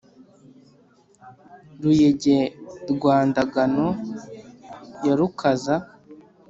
ruyege rwa ndagano ya rukaza